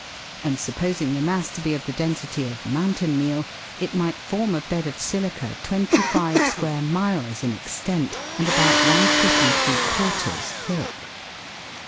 ; and supposing the mass to ROTIFER N be of the densit y f " mountain meal," it might form a bed of silica twenty five square miles in extent, and about one foot and three quarters thick.